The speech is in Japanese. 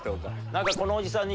何かこのおじさんに。